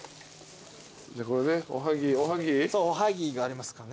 おはぎがありますからね。